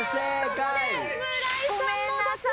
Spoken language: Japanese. ここで村井さんの脱落。